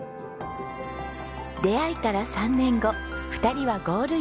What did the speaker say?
出会いから３年後２人はゴールイン！